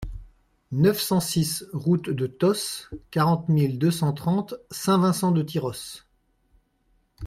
neuf cent six route de Tosse, quarante mille deux cent trente Saint-Vincent-de-Tyrosse